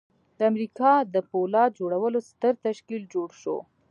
د امریکا د پولاد جوړولو ستر تشکیل جوړ شو